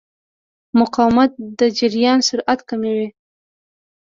مقاومت د جریان سرعت کموي.